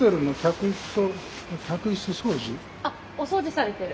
あっお掃除されてる？